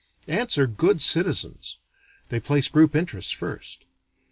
Ants are good citizens: they place group interests first.